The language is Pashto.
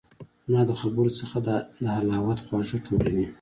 زما د خبرو څخه د حلاوت خواږه ټولوي